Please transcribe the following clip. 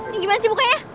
ini gimana sih bukanya